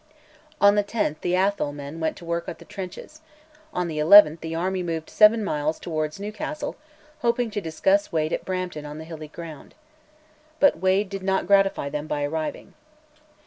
On the 10th the Atholl men went to work at the trenches; on the 11th the army moved seven miles towards Newcastle, hoping to discuss Wade at Brampton on hilly ground. But Wade did not gratify them by arriving.